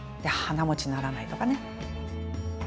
鼻持ちならないとかね。